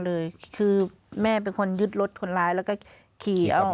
ลูกสาวบอกแล้วก็ร้องไห้